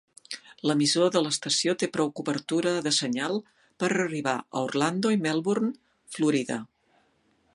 L'emissor de l'estació té prou cobertura de senyal per arribar a Orlando i Melbourne, Florida.